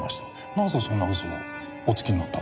なぜそんな嘘をおつきになったんですか？